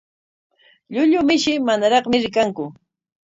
Llullu mishi manaraqmi rikanku.